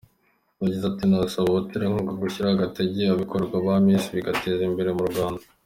Yagize ati: “Nasaba abaterankunga gushyiramo agatege ,ibikorwa bya Miss bigatezwa imbere mu Rwanda.